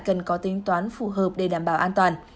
cần có tính toán phù hợp để đảm bảo an toàn